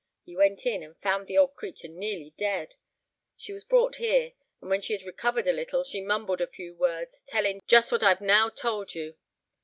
He went in, and found the old creatur' nearly dead. She was brought here; and when she had recovered a little, she mumbled a few words, telling just what I've now told you.